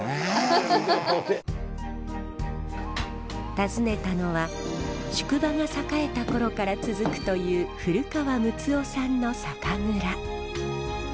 訪ねたのは宿場が栄えた頃から続くという古川睦夫さんの酒蔵。